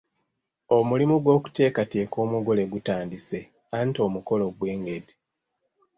Omulimu gw’okuteekateeka omugole gutandise anti omukolo gwengedde.